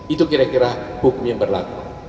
itu kira kira hukum yang berlaku